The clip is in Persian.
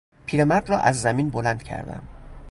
پیرمرد را از زمین بلند کردم.